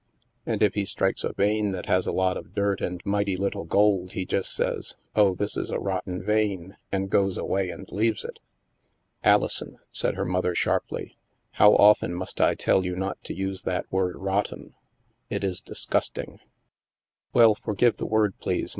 And if he strikes a vein that has a lot of dirt and mighty little gold, he just says, ' Oh, this is a rotten vein,' and goes away and leaves it." " Alison," said her mother sharply, " how often must I tell you not to use that word * rotten '? It is disgusting." " Well, forgive the word, please.